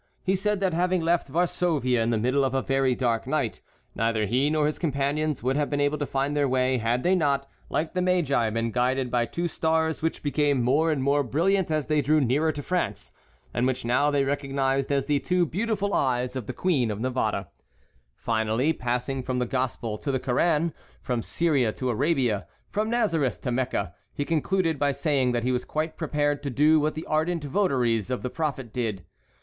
He said that having left Varsovia in the middle of a very dark night, neither he nor his companions would have been able to find their way, had they not, like the Magi, been guided by two stars which became more and more brilliant as they drew nearer to France, and which now they recognized as the two beautiful eyes of the Queen of Navarre. Finally, passing from the Gospel to the Koran, from Syria to Arabia, from Nazareth to Mecca, he concluded by saying that he was quite prepared to do what the ardent votaries of the prophet did.